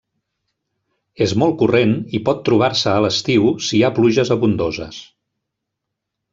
És molt corrent i pot trobar-se a l'estiu si hi ha pluges abundoses.